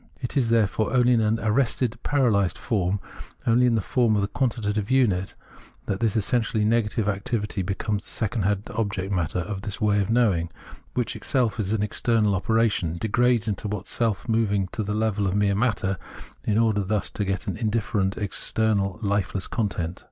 It is therefore only in an arrested, paralysed form, only in the form of the quantitative unit, that this essentially negative activity becomes the second object matter of this way of knowing, which, itself an external operation, degrades what is self moving to the level of mere matter, in order thus to get an indifferent, external, lifeless content.